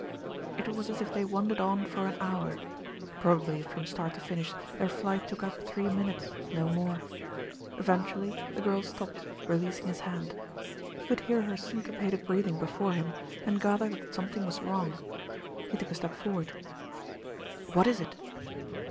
It was as if they wandered on for an hour; probably from start to finish their flight took up three minutes, no more. Eventually the girl stopped, releasing his hand. He could hear her syncopated breathing before him, and gathered that something was wrong. He took a step forward. "What is it?"